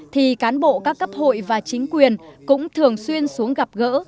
thì cán bộ các cấp hội và chính quyền cũng thường xuyên xuống gặp gỡ